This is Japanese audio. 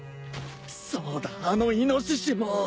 そうだあのイノシシも